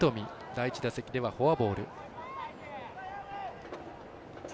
第１打席、フォアボール。